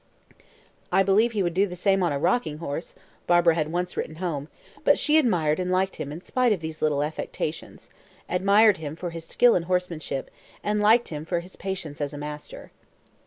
"I believe he would do the same on a rocking horse," Barbara had once written home; but she admired and liked him in spite of these little affectations admired him for his skill in horsemanship, and liked him for his patience as a master.